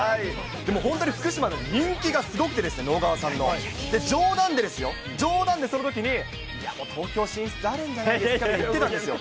でも、本当に福島で人気がすごくて、直川さんの。冗談でですよ、冗談でそのときに、いや、もう東京進出あるんじゃないですかって言ってたんですよ。